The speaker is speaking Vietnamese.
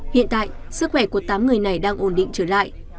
hiện tại sức khỏe của tám người này đang ổn định trở lại